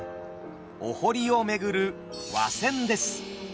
お堀を巡る和船です。